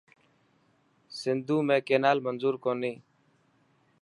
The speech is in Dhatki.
سنڌو ۾ ڪينال منضور ڪوني.